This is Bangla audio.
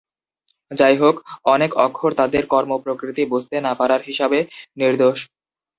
যাইহোক, অনেক অক্ষর তাদের কর্ম প্রকৃতি বুঝতে না পারার হিসাবে নির্দোষ।